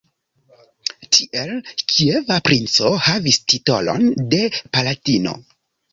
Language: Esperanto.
Tiel, kieva princo havis titolon de "palatino".